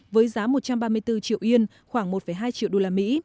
với giá một trăm ba mươi bốn triệu yên khoảng một hai triệu đô la mỹ